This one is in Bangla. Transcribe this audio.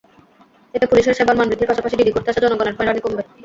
এতে পুলিশের সেবার মান বৃদ্ধির পাশাপাশি জিডি করতে আসা জনগণের হয়রানি কমবে।